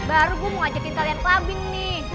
baru gue mau ngajakin kalian ke labin nih